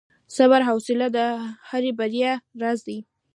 • صبر او حوصله د هرې بریا راز دی.